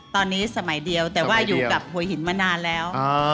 ตอนนี้สมัยเดียวแต่ว่าอยู่กับหัวหินมานานแล้ว